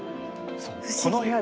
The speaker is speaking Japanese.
この部屋。